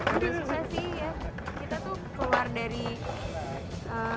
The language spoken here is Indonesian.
awalnya waktu itu memang tidak sukses sih ya